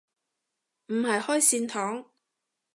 唔係開善堂